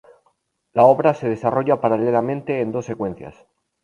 La obra se desarrolla paralelamente en dos secuencias.